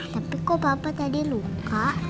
tapi kok bapak tadi luka